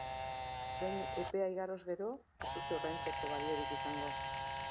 Behin epea igaroz gero, ez dute ordaintzeko baliorik izango.